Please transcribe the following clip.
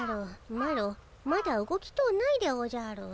マロまだ動きとうないでおじゃる。